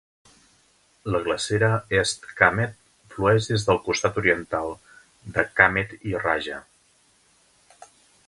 La glacera East Kamet flueix des del costat oriental de Kamet i Raja.